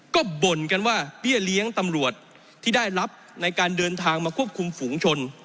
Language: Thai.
ก็บ่นกันว่าเบี้ยเลี้ยงตำรวจที่ได้รับในการเดินทางมาควบคุมฝูงชน